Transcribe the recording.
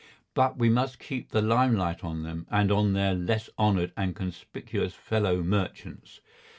But we must keep the limelight on them and on their less honoured and conspicuous fellow merchants.